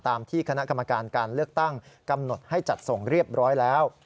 ตามที่คณะกรรมการการเลือกตั้งกำหนดให้จัดส่งเรียบร้อยแล้ว